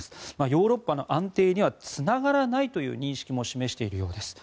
ヨーロッパの安定にはつながらないという認識も示しているようです。